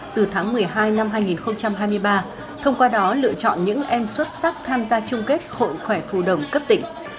từ tháng một mươi hai năm hai nghìn hai mươi ba thông qua đó lựa chọn những em xuất sắc tham gia chung kết hội khỏe phù đồng cấp tỉnh